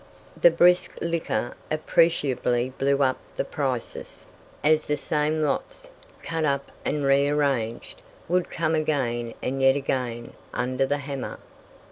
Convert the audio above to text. The brisk liquor appreciably blew up the prices, as the same lots, cut up and rearranged, would come again and yet again under the hammer.